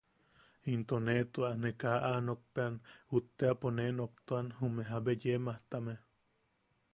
Into ne tua... ne kaa a nokpean, utteʼapo ne nonoktuan ume jabe yee majtame.